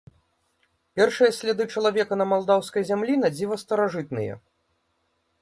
Першыя сляды чалавека на малдаўскай зямлі надзіва старажытныя.